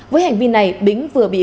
với hành vi này bính vừa bị